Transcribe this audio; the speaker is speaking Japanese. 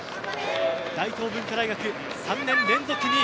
大東文化大学３年連続２位。